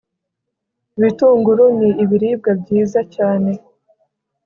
ibitunguru ni ibiribwa byiza cyane